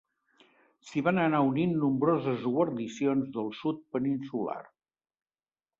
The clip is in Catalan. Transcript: S'hi van anar unint nombroses guarnicions del sud peninsular.